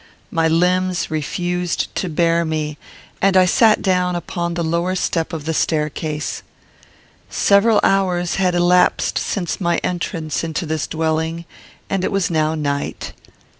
My limbs refused to bear me, and I sat down upon the lower step of the staircase. Several hours had elapsed since my entrance into this dwelling, and it was now night.